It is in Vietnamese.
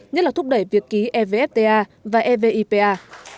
nhất là thúc đẩy việc ký evfta và evipa